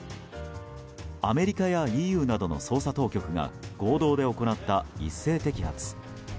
アメリカやＥＵなどの捜査当局が合同で行った一斉摘発。